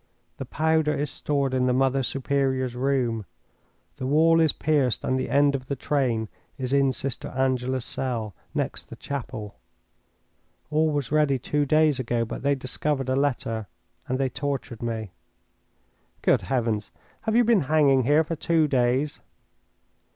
The powder is stored in the Mother Superior's room. The wall is pierced, and the end of the train is in Sister Angela's cell, next the chapel. All was ready two days ago. But they discovered a letter and they tortured me." "Good heavens! have you been hanging here for two days?"